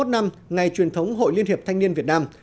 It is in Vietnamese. sáu mươi một năm ngày truyền thống hội liên hiệp thanh niên việt nam